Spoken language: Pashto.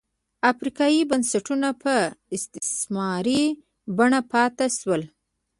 افریقايي بنسټونه په استثماري بڼه پاتې شول.